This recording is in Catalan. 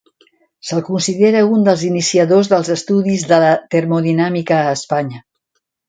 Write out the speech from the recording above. Se'l considera un dels iniciadors dels estudis de la termodinàmica a Espanya.